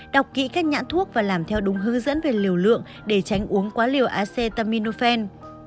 đọc kỹ các nhãn thuốc và làm theo đúng hướng dẫn về liều lượng để tránh uống quá liều acta minofen